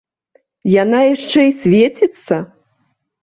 Яна яшчэ і свеціцца!